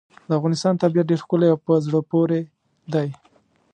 د افغانستان طبیعت ډېر ښکلی او په زړه پورې دی.